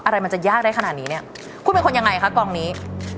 อะไรมันจะยากได้ขนาดนี้เนี่ยคุณเป็นคนยังไงคะกองนี้